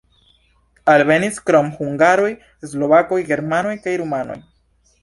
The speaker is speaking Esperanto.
Alvenis krom hungaroj slovakoj, germanoj kaj rumanoj.